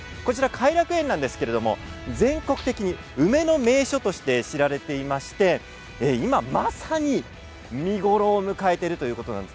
偕楽園は全国的に梅の名所として知られていまして今、まさに見頃を迎えているということなんです。